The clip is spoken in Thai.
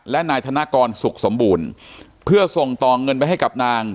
และนายธนกรสุขสมบูรณ์เพื่อส่งต่อเงินไปให้กับนาง